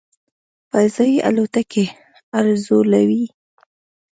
"فضايي الوتکې" الوځولې.